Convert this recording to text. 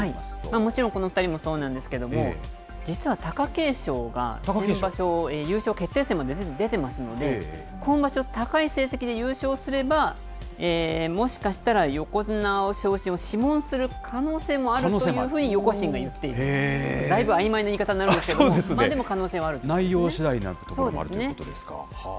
もちろんこの２人もそうなんですけれども、実は貴景勝が今場所、優勝決定戦まで出てますので、今場所、高い成績で優勝すれば、もしかしたら横綱昇進を諮問する可能性もあるというふうに横審が言っている、だいぶあいまいな言い方になるんですけれども、でも内容しだいということですか。